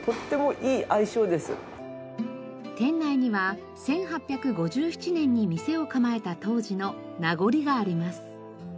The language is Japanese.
店内には１８５７年に店を構えた当時の名残があります。